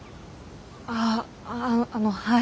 あああのはい。